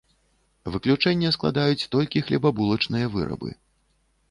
Выключэнне складаюць толькі хлебабулачныя вырабы.